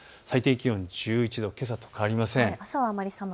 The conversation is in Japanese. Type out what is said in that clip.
最低気温１１度けさと変わりません。